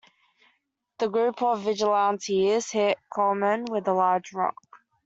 The group of vigilantes hit Coleman with a large rock.